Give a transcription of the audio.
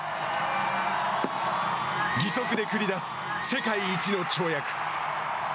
義足で繰り出す、世界一の跳躍。